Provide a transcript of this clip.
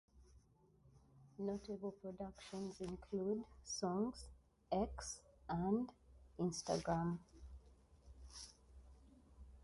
Notable productions include the songs "X" and "Instagram".